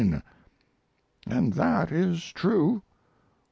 And that is true.